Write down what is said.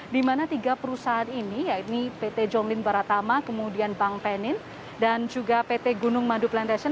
di mana tiga perusahaan ini ya ini pt john lynn baratama kemudian bank penin dan juga pt gunung madu plantation